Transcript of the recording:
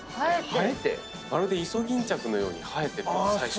生えて⁉まるでイソギンチャクのように生えてるんです最初は。